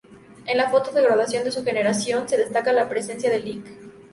En la foto de Graduación de su Generación se destaca la presencia del Lic.